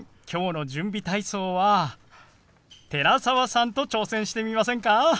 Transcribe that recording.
今日の準備体操は寺澤さんと挑戦してみませんか？